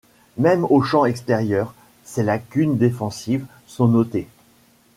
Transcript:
Même au champ extérieur, ses lacunes défensives sont notées.